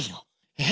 えっ？